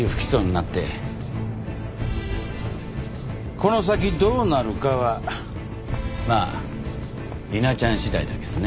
この先どうなるかはまあ理奈ちゃん次第だけどね。